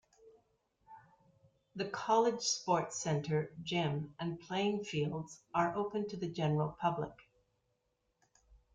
The college sports centre, gym, and playing fields are open to the general public.